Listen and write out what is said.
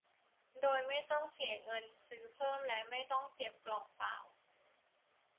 โดยไม่ต้องเสียเงินซื้อเพิ่มและไม่ต้องเก็บกล่องเปล่า